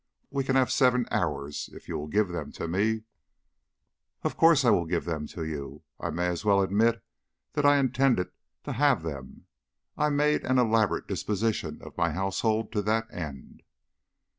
"We can have seven hours if you will give them to me." "Of course I'll give them to you. I may as well admit that I intended to have them. I made an elaborate disposition of my household to that end."